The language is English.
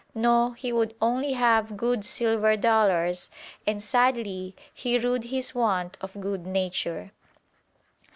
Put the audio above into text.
No, he would only have good silver dollars; and sadly he rued his want of good nature.